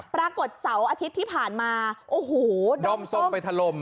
ปรากฏเสาร์อาทิตย์ที่ผ่านมาโอ้โหดอมส้มไปถล่ม